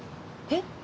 えっ？